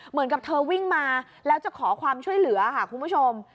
เหมือนกับเธอวิ่งมาแล้วจะขอความช่วยเหลือค่ะคุณผู้ชม